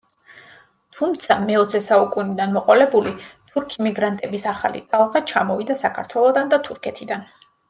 თუმცა, მეოცე საუკუნიდან მოყოლებული, თურქი მიგრანტების ახალი ტალღა ჩამოვიდა საქართველოდან და თურქეთიდან.